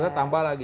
udah tambah lagi